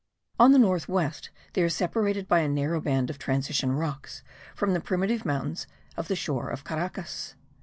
On the north west they are separated by a narrow band of transition rocks from the primitive mountains of the shore of Caracas.